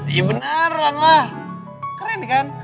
ya beneran lah keren kan